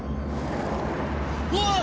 うわっ！